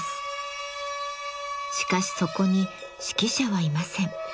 しかしそこに指揮者はいません。